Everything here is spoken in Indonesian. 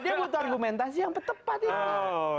dia butuh argumentasi yang tepat itu